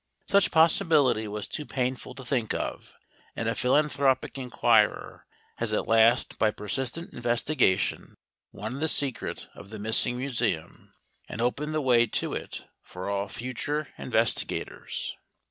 Such possibility was too painful to think of, and a philanthropic inquirer has at last by persistent investigation won the secret of the Missing Museum and opened the way to it for all future investigators.